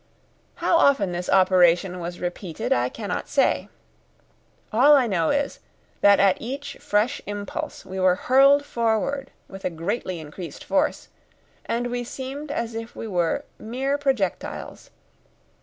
How often this operation was repeated I cannot say. All I know is, that at each fresh impulse we were hurled forward with a greatly increased force, and we seemed as if we were mere projectiles.